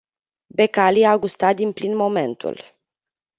Becali a gustat din plin momentul.